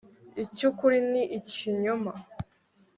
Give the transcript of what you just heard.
icyukuri n'ikinyoma